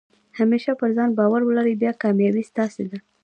همېشه پر ځان بارو ولرئ، بیا کامیابي ستاسي ده.